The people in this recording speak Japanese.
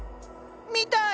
見たい！